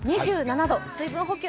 ２７度、水分補給